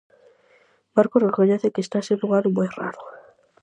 Marco recoñece que "está sendo un ano moi raro".